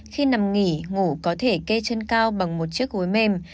khi nằm nghỉ ngủ có thể kê chân cao bằng một chiếc gối mềm